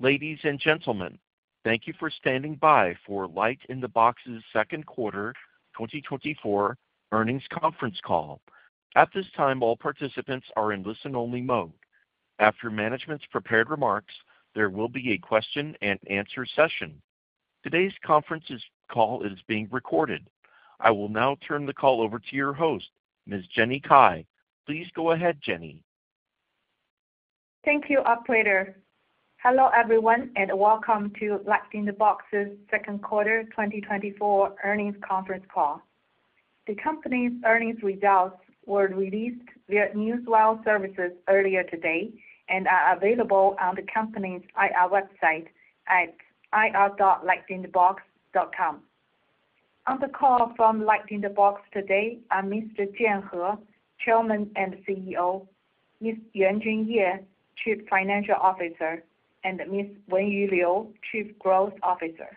Hello, ladies and gentlemen. Thank you for standing by for LightInTheBox's Second Quarter 2024 Earnings Conference Call. At this time, all participants are in listen-only mode. After management's prepared remarks, there will be a question-and-answer session. Today's conference call is being recorded. I will now turn the call over to your host, Ms. Jenny Cai. Please go ahead, Jenny. Thank you, operator. Hello, everyone, and welcome to LightInTheBox's Second Quarter 2024 Earnings Conference Call. The company's earnings results were released via newswire services earlier today and are available on the company's IR website at ir.lightinthebox.com. On the call from LightInTheBox today are Mr. Jian He, Chairman and CEO; Ms. Yuanjun Ye, Chief Financial Officer; and Ms. Wenyu Liu, Chief Growth Officer.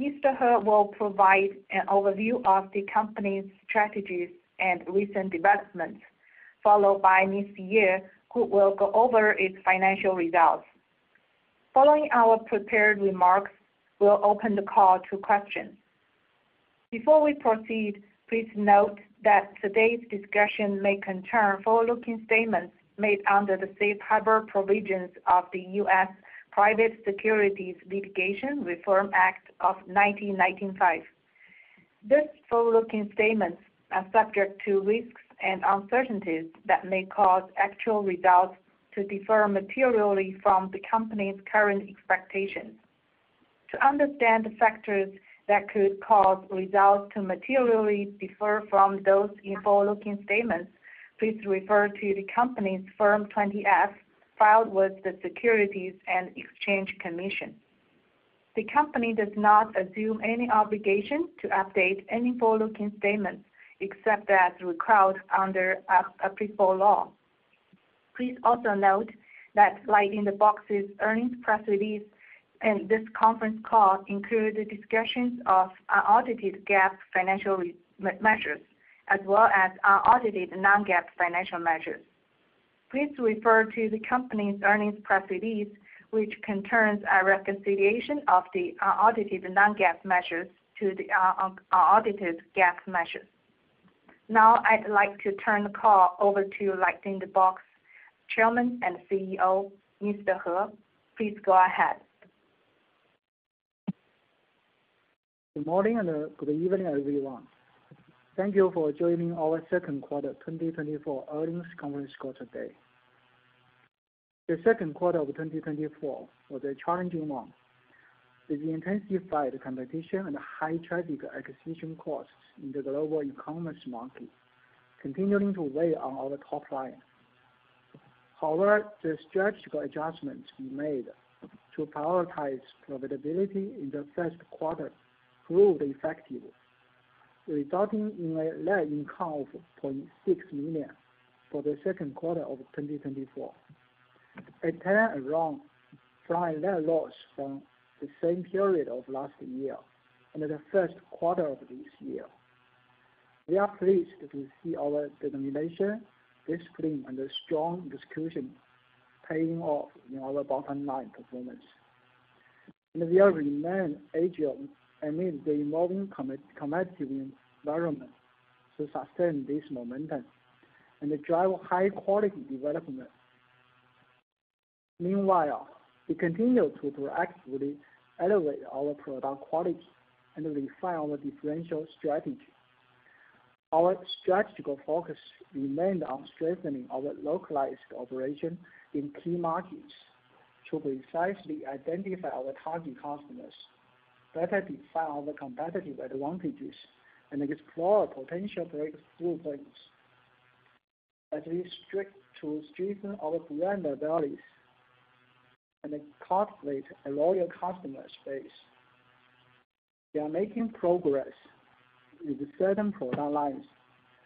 Mr. He will provide an overview of the company's strategies and recent developments, followed by Ms. Ye, who will go over its financial results. Following our prepared remarks, we'll open the call to questions. Before we proceed, please note that today's discussion may concern forward-looking statements made under the safe harbor provisions of the U.S. Private Securities Litigation Reform Act of 1995. These forward-looking statements are subject to risks and uncertainties that may cause actual results to differ materially from the company's current expectations. To understand the factors that could cause results to materially differ from those in forward-looking statements, please refer to the company's Form 20-F, filed with the Securities and Exchange Commission. The company does not assume any obligation to update any forward-looking statements, except as required under applicable law. Please also note that LightInTheBox's earnings press release and this conference call include discussions of unaudited GAAP financial measures, as well as unaudited non-GAAP financial measures. Please refer to the company's earnings press release, which contains a reconciliation of the unaudited non-GAAP measures to the unaudited GAAP measures. Now, I'd like to turn the call over to LightInTheBox Chairman and CEO, Mr. He. Please go ahead. Good morning, and, good evening, everyone. Thank you for joining our Second Quarter 2024 Earnings Conference Call today. The Q2 of 2024 was a challenging one, with the intensified competition and high traffic acquisition costs in the global e-commerce market continuing to weigh on our top line. However, the strategic adjustments we made to prioritize profitability in the Q1 proved effective, resulting in a net income of $0.6 million for the Q2 of 2024, a turnaround from the loss from the same period of last year and the Q1 of this year. We are pleased to see our determination, discipline, and strong execution paying off in our bottom line performance. We remain agile amid the evolving competitive environment to sustain this momentum and drive high-quality development. Meanwhile, we continue to proactively elevate our product quality and refine our differential strategy. Our strategical focus remained on strengthening our localized operation in key markets to precisely identify our target customers, better define our competitive advantages, and explore potential breakthrough points that leads directly to strengthen our brand values and cultivate a loyal customer base. We are making progress with certain product lines,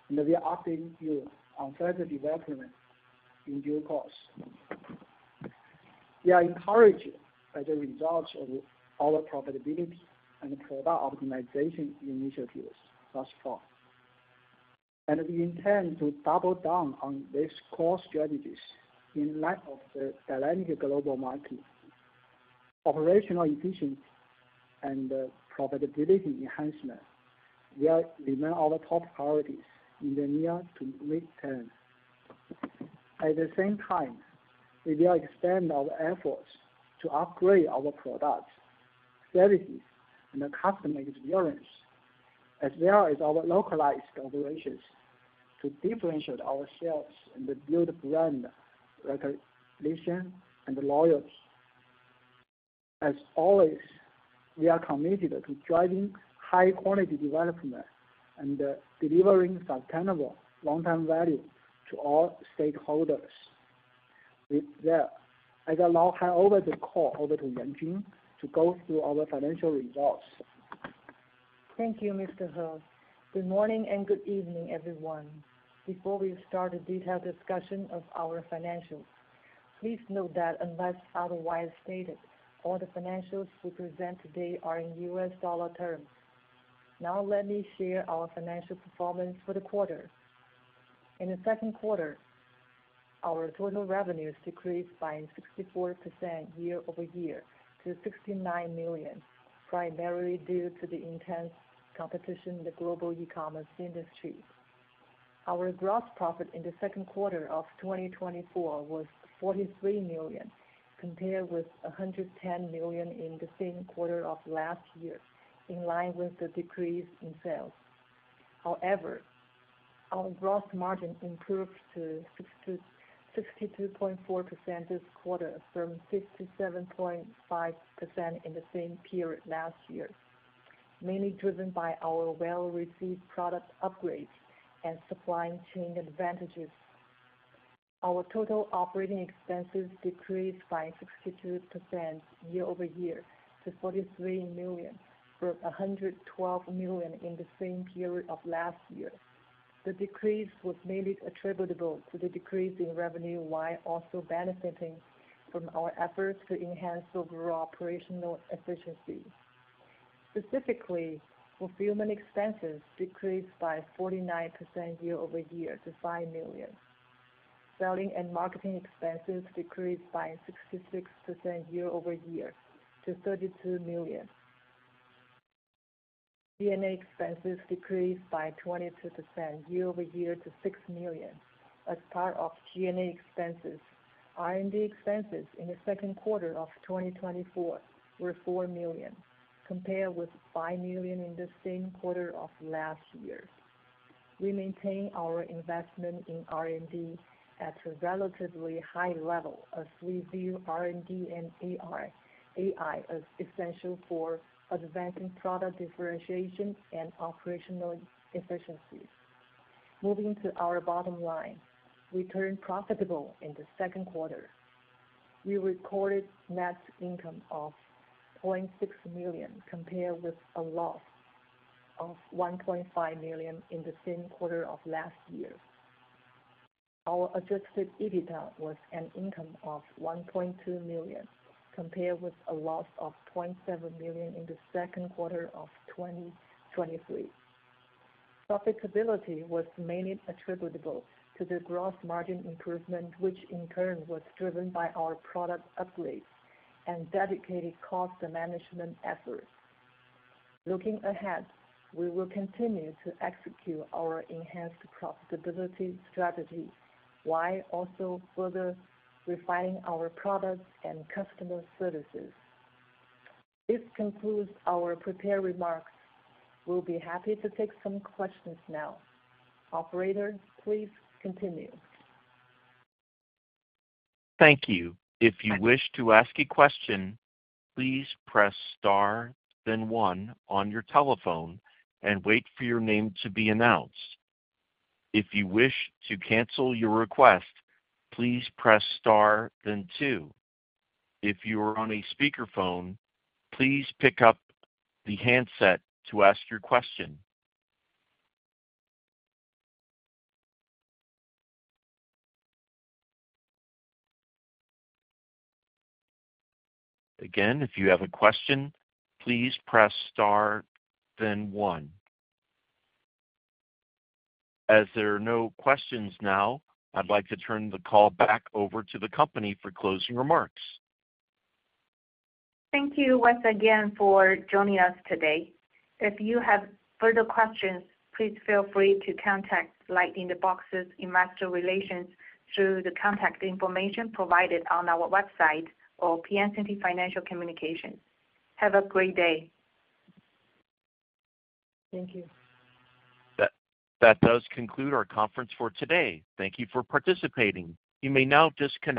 and we are updating you on further development in due course. We are encouraged by the results of our profitability and product optimization initiatives thus far, and we intend to double down on these core strategies in light of the dynamic global market. Operational efficiency and profitability enhancement will remain our top priorities in the near to mid-term. At the same time, we will expand our efforts to upgrade our products, services, and the customer experience, as well as our localized operations, to differentiate ourselves and build brand recognition and loyalty. As always, we are committed to driving high-quality development and delivering sustainable long-term value to all stakeholders. With that, I will now hand over the call to Yuanjun to go through our financial results. Thank you, Mr. He. Good morning and good evening, everyone. Before we start the detailed discussion of our financials, please note that unless otherwise stated, all the financials we present today are in US dollar terms. Now, let me share our financial performance for the quarter. In the Q2, our total revenues decreased by 64% year-over-year to $69 million, primarily due to the intense competition in the global e-commerce industry. Our gross profit in the Q2 of 2024 was $43 million, compared with $110 million in the same quarter of last year, in line with the decrease in sales. However, our gross margin improved to 62.4% this quarter from 57.5% in the same period last year, mainly driven by our well-received product upgrades and supply chain advantages. Our total operating expenses decreased by 62% year-over-year to $43 million, from $112 million in the same period of last year. The decrease was mainly attributable to the decrease in revenue, while also benefiting from our efforts to enhance overall operational efficiency. Specifically, fulfillment expenses decreased by 49% year-over-year to $5 million. Selling and marketing expenses decreased by 66% year-over-year to $32 million. G&A expenses decreased by 22% year-over-year to $6 million. As part of G&A expenses, R&D expenses in the Q2 of 2024 were $4 million, compared with $5 million in the same quarter of last year. We maintain our investment in R&D at a relatively high level, as we view R&D and AI as essential for advancing product differentiation and operational efficiencies. Moving to our bottom line, we turned profitable in the Q2. We recorded net income of $0.6 million, compared with a loss of $1.5 million in the same quarter of last year. Our Adjusted EBITDA was an income of $1.2 million, compared with a loss of $0.7 million in the Q2 of 2023. Profitability was mainly attributable to the gross margin improvement, which in turn was driven by our product upgrades and dedicated cost management efforts. Looking ahead, we will continue to execute our enhanced profitability strategy, while also further refining our products and customer services. This concludes our prepared remarks. We'll be happy to take some questions now. Operator, please continue. Thank you. If you wish to ask a question, please press star then one on your telephone and wait for your name to be announced. If you wish to cancel your request, please press star, then two. If you are on a speakerphone, please pick up the handset to ask your question. Again, if you have a question, please press star, then one. As there are no questions now, I'd like to turn the call back over to the company for closing remarks. Thank you once again for joining us today. If you have further questions, please feel free to contact LightInTheBox Investor Relations through the contact information provided on our website or Piacente Financial Communications. Have a great day. Thank you. That does conclude our conference for today. Thank you for participating. You may now disconnect.